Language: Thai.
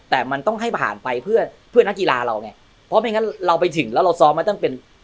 แต่มันต้องให้ผ่านไปเพื่อเพื่อนักกีฬาเราไงเพราะไม่งั้นเราไปถึงแล้วเราซ้อมมาตั้งเป็น